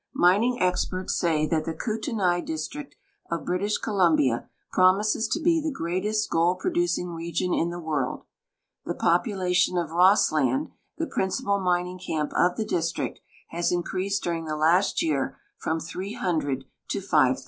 Alining experts say that the Kootenai district of British Co lumbia promises to be the greatest gold {)rodncing region in the world. The population of Rossland, the principal mining camp of the district, has increased during the last year from 300 to 5,000.